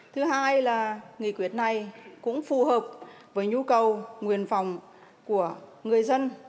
thứ hai là nghị quyết này cũng phù hợp với nhu cầu nguyện phòng của người dân